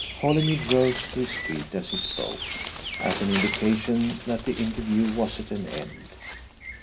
Holymead rose to his feet as he spoke, as an indication that the interview was at an end.